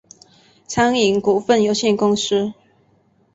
餐饮股份有限公司